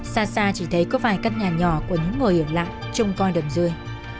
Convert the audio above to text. xa xa chỉ thấy có vài căn nhà nhỏ của những người ẩn lặng trông coi đầm rơi